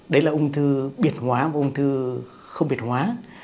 đấy là ung thư biệt hóa và ung thư không biệt hóa